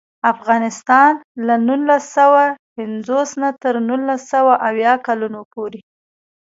افغانستان له نولس سوه پنځوس نه تر نولس سوه اویا کلونو پورې.